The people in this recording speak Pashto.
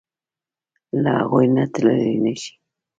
له هغوی نه تللی نشې.